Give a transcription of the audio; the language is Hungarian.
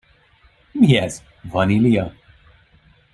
Mi ez, vanília?